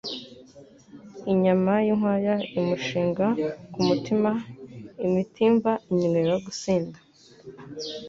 Imyama y'inkwaya imushinga ku mutima, imitimba inywera gusinda,